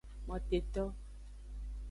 Moteto.